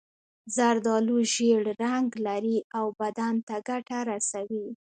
زردالو ژېړ رنګ لري او بدن ته ګټه رسوي.